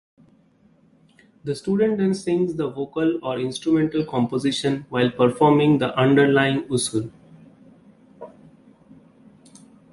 The student then sings the vocal or instrumental composition while performing the underlying usul.